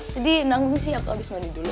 tadi nanggung sih apa abis mandi dulu